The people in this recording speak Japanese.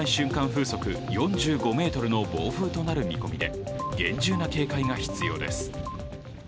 風速４５メートルの暴風となる見込みで、厳重な警戒が必要です。